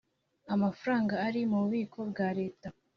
amafaranga ari mu bubiko bwa leta